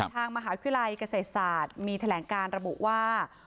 ทางมหาวิทยาลัยเกษตรศาสตร์มีแถลงการระบุว่า